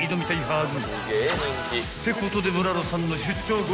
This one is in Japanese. ［ってことで村野さんの］